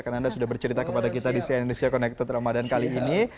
karena anda sudah bercerita kepada kita di sia indonesia connected ramadan kali ini